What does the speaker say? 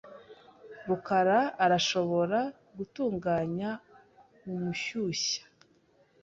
rukara arashobora gutunganya umushyushya.